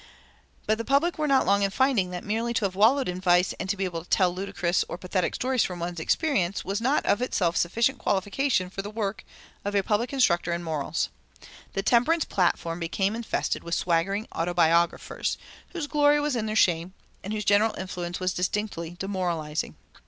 But the public were not long in finding that merely to have wallowed in vice and to be able to tell ludicrous or pathetic stories from one's experience was not of itself sufficient qualification for the work of a public instructor in morals. The temperance platform became infested with swaggering autobiographers, whose glory was in their shame, and whose general influence was distinctly demoralizing.